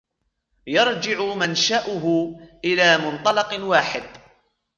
يرجع منشأه إلى منطلق واحد